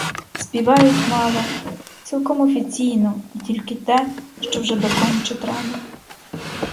Співають мало, цілком офіційно й тільки те, що вже доконче треба.